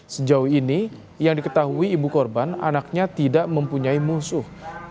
sejauh ini yang diketahui ibu korban anaknya tidak mempunyai musuh